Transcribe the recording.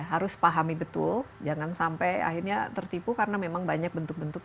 harus pahami betul jangan sampai akhirnya tertipu karena memang banyak bentuk bentuk